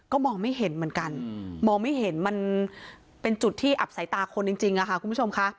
มองไม่เห็นเหมือนกันมองไม่เห็นมันเป็นจุดที่อับสายตาคนจริงค่ะคุณผู้ชมค่ะ